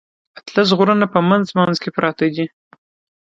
اتلس غرونه په منځ منځ کې پراته دي.